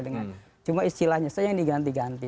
dengan cuma istilahnya saja yang diganti ganti